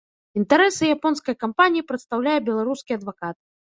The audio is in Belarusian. Інтарэсы японскай кампаніі прадстаўляе беларускі адвакат.